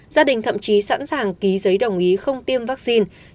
gia đình thậm chí sẵn sàng ký giấy đồng ý không tiêm vaccine